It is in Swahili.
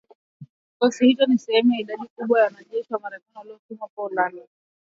Kikosi hicho ni sehemu ya idadi kubwa ya wanajeshi elfu tano wa Marekani waliotumwa Poland